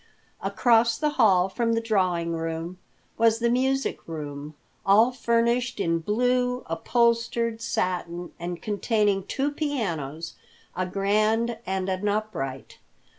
Across the hall from the drawing room was the music room, all furnished in blue upholstered satin, and containing two pianos, a grand and an upright.